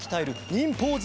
忍ポーズ！